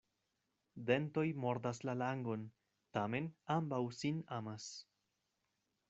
Dentoj mordas la langon, tamen ambaŭ sin amas.